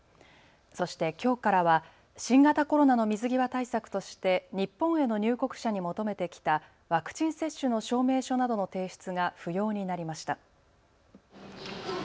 そしてきょうからは新型コロナの水際対策として日本への入国者に求めてきたワクチン接種の証明書などの提出が不要になりました。